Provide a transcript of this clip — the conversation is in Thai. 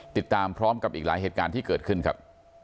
ติดตามพร้อมกับอีกหลายเหตุการณ์ที่เกิดขึ้นครับ